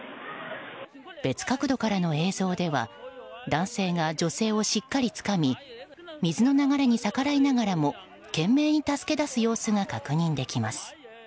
別角度からの映像では男性が女性をしっかりつかみ水の流れに逆らいながらも懸命に助け出す様子が確認できます。